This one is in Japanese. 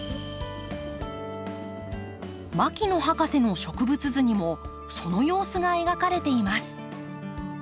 牧野博士の植物図にもその様子が描かれています。